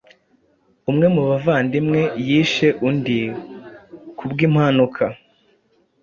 Umwe mu bavandimwe yishe undi ku bwimpanuka